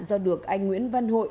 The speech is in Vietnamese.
do được anh nguyễn văn hội